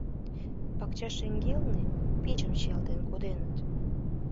— Пакча шеҥгелне печым чиялтен коденыт!